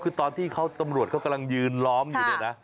คือตอนที่เขาตำรวจเขากำลังยืนล้อมอยู่เนี่ยนะ